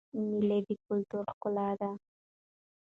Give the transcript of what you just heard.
مېلې د کلتور ښکلا ده.